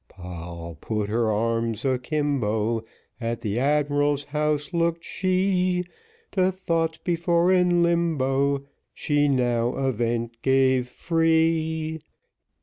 Poll put her arms a kimbo, At the admiral's house looked she, To thoughts that were in limbo, She now a vent gave free.